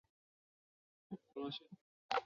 帕尔马里斯是巴西伯南布哥州的一个市镇。